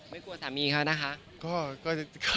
ไม่กลัวสามีค่ะนะคะ